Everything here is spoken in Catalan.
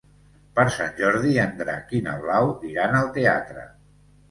Per Sant Jordi en Drac i na Blau iran al teatre.